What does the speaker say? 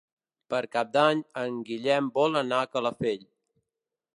Per Cap d'Any en Guillem vol anar a Calafell.